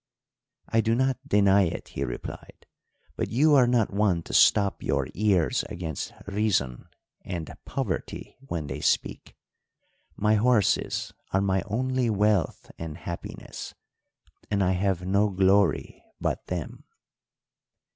"'I do not deny it,' he replied. 'But you are not one to stop your ears against reason and poverty when they speak. My horses are my only wealth and happiness, and I have no glory but them.'